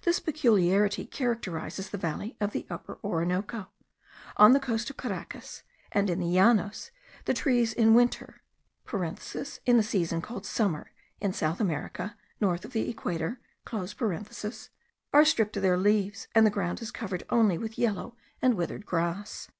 This peculiarity characterises the valley of the Upper Orinoco; on the coast of Caracas, and in the Llanos, the trees in winter (in the season called summer in South America, north of the equator) are stripped of their leaves, and the ground is covered only with yellow and withered grass.